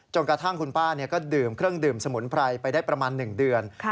กระทั่งคุณป้าก็ดื่มเครื่องดื่มสมุนไพรไปได้ประมาณ๑เดือน